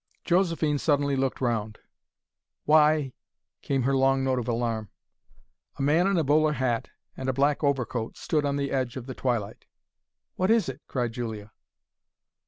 Josephine suddenly looked round. "Why y y!" came her long note of alarm. A man in a bowler hat and a black overcoat stood on the edge of the twilight. "What is it?" cried Julia.